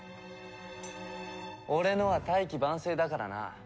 俺のは大器晩成だからな。